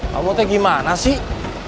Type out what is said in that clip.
kamu tuh gimana sih